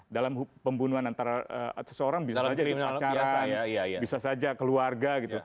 dalam pembunuhan antara seseorang bisa saja di pacaran bisa saja keluarga gitu